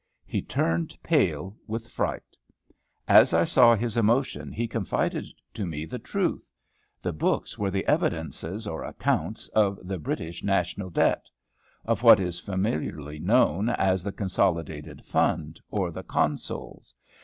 He turned pale with fright. As I saw his emotion he confided to me the truth. The books were the evidences or accounts of the British national debt; of what is familiarly known as the Consolidated Fund, or the "Consols."